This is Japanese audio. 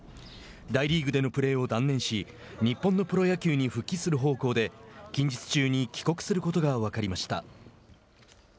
大リーグでのプレーを断念し日本のプロ野球に復帰する方向で近日中に帰国することが分かりました。